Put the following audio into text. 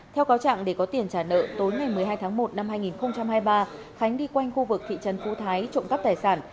theo cáo trạng để có tiền trả nợ tối ngày một mươi hai tháng một năm hai nghìn hai mươi ba khánh đi quanh khu vực thị trấn phú thái trộm cắp tài sản